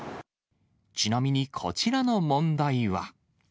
ちなみにこちらの問題は。